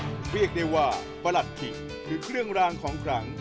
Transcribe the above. เฉพาะเปลือกเลว่าประหลัดขิกคือเครื่องรางของกำ